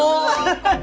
ハハハハ！